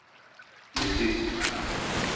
Leziz.